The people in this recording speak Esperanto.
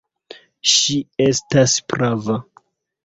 Ŝi estas prava.